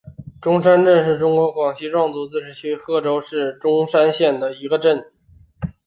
钟山镇是中国广西壮族自治区贺州市钟山县的一个镇。